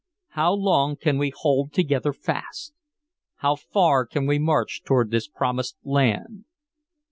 How long can we hold together fast? How far can we march toward this promised land?"